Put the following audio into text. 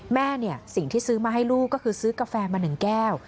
แม่เนี่ยสิ่งที่ซื้อมาให้ลูกก็คือซื้อกาแฟมา๑แก้ว